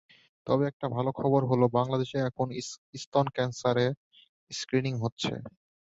তবে একটা ভালো খবর হলো, বাংলাদেশে এখন স্তন ক্যানসারে স্ক্রিনিং হচ্ছে।